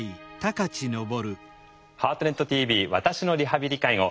「ハートネットＴＶ私のリハビリ・介護」